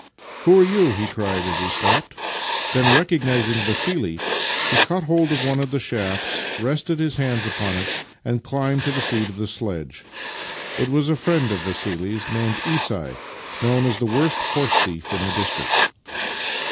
" Who are you? " he cried as he stopped. Then, recognizing Vassili, he caught hold of one of the shafts, rested his hands upon it, and climbed to the seat of the sledge. It was a friend of Vassili's named Isai, known as the worst horse thief in the district.